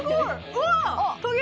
うわっ！